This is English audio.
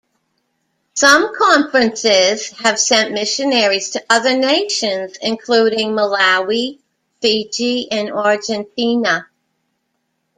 Some conferences have sent missionaries to other nations including Malawi, Fiji, and Argentina.